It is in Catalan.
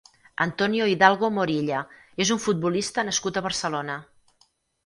Antonio Hidalgo Morilla és un futbolista nascut a Barcelona.